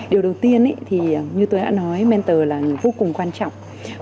điều đầu tiên thì như tôi đã nói mentor là vô cùng quan trọng